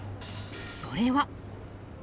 それは。